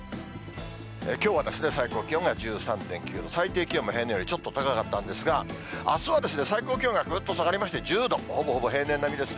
きょうはですね、最高気温が１３．９度、最低気温も平年よりちょっと高かったんですが、あすは最高気温がぐっと下がりまして、１０度、ほぼほぼ平年並みですね。